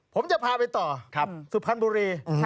ผมจะพาไปต่อสุพรรณบุรี